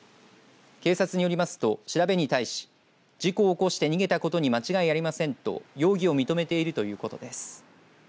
警察によりますと調べに対し事故を起こして逃げたことに間違いありませんと容疑を認めているということです。